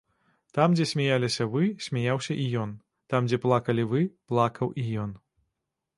Там, дзе смяяліся вы, смяяўся і ён, там, дзе плакалі вы, плакаў і ён.